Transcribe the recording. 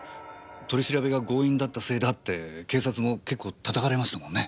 取り調べが強引だったせいだって警察も結構叩かれましたもんね。